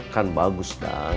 kan bagus dang